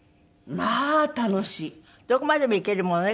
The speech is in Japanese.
どこまでも行けるものね